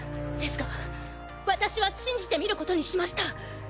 ですが私は信じてみることにしました。